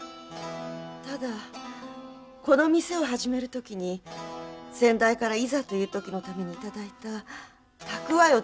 ただこの店を始める時に先代からいざという時のために頂いた蓄えをつぎ込みました。